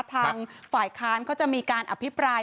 ทางฝ่ายค้านก็จะมีการอภิปราย